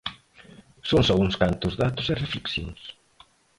Son só uns cantos datos e reflexións.